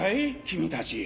君たち。